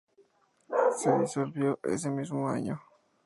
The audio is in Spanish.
Se disolvió ese mismo año.